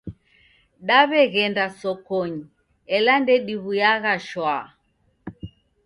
Daw'eghenda sokonyi, ela ndediw'uyagha shwaa.